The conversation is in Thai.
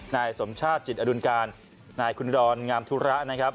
นายสมชาติจิตอดุลการนายคุณดอนงามธุระนะครับ